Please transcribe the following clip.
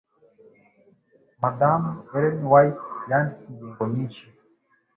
Madamu Ellen White yanditse ingingo nyinshi